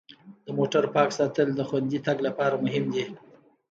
د موټر پاک ساتل د خوندي تګ لپاره مهم دي.